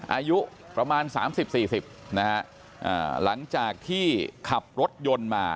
อายุประมาณ๓๐๔๐นะฮะหลังจากที่ขับรถยนต์มา